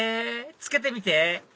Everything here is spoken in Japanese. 着けてみて！